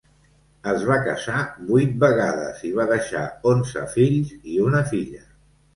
Es va casar vuit vegades i va deixar onze fills i una filla.